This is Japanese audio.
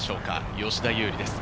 吉田優利です。